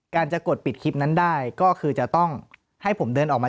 จะกดปิดคลิปนั้นได้ก็คือจะต้องให้ผมเดินออกมา